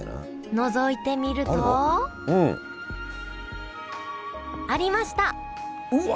のぞいてみるとうん。ありましたうわっ！